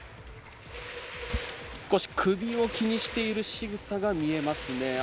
少し首を気にしているしぐさが見えますね。